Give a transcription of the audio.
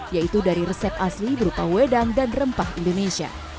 yaitu dari resep asli berupa wedang dan rempah indonesia